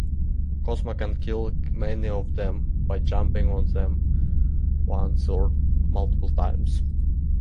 Cosmo can kill many of them by jumping on them once or multiple times.